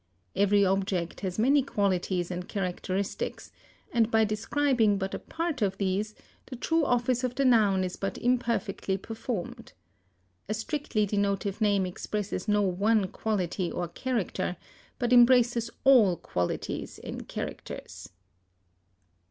Every object has many qualities and characteristics, and by describing but a part of these the true office of the noun is but imperfectly performed. A strictly denotive name expresses no one quality or character, but embraces all qualities and characters.